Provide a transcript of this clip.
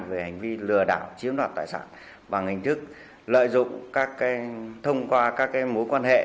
về hành vi lừa đảo chiếm đoạt tài sản bằng hình thức lợi dụng thông qua các mối quan hệ